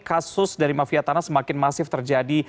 kasus dari mafia tanah semakin masif terjadi